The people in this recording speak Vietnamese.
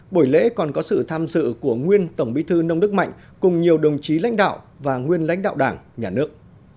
buổi lễ còn có sự tham dự của nguyên tổng bí thư nông đức mạnh cùng nhiều đồng chí lãnh đạo và nguyên lãnh đạo đảng nhà nước